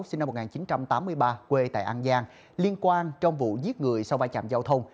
sinh năm một nghìn chín trăm tám mươi ba quê tại an giang liên quan trong vụ giết người sau vai trạm giao thông